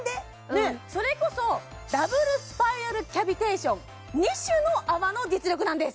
ねっそれこそダブルスパイラルキャビテーション２種の泡の実力なんです